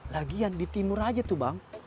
lagian di timur aja tuh bang